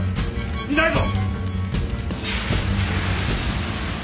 いないぞ！